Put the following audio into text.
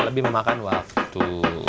lebih memakan waktu